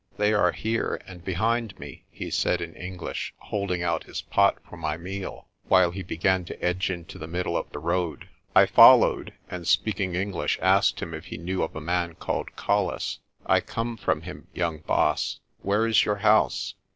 "They are here and behind me," he said in English, hold ing out his pot for my meal, while he began to edge into the middle of the road. I followed and, speaking English, asked him if he knew of a man called Colles. "I come from him, young Baas. Where is your house?